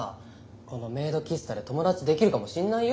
このメイド喫茶で友達できるかもしんないよ。